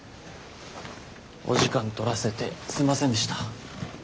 お時間取らせてすんませんでした。